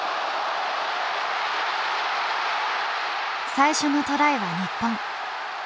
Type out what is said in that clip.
最初のトライは日本。